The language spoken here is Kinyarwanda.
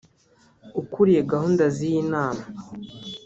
ukuriye gahunda z’iyi nama